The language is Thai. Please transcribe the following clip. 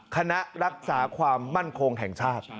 คณะรักษาความมั่นคงแห่งชาติ